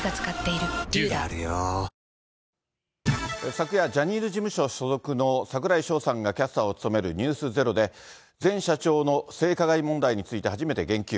昨夜、ジャニーズ事務所所属の櫻井翔さんがキャスターを務めるｎｅｗｓｚｅｒｏで、前社長の性加害問題について、初めて言及。